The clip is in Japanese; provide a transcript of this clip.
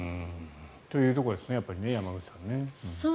ということですね山口さんね。